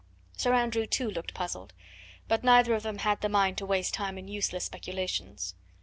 Sir Andrew too looked puzzled. But neither of them had the mind to waste time in useless speculations.